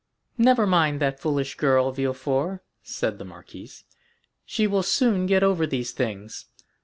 "Never mind that foolish girl, Villefort," said the marquise. "She will soon get over these things."